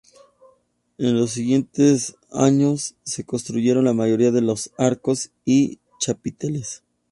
En los siguientes años se construyeron la mayoría de los arcos y chapiteles.